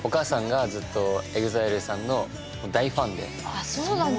あそうなんだ。